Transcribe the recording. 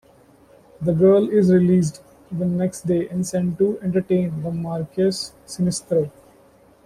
The girl is released the next day and sent to "entertain" the Marques Siniestro.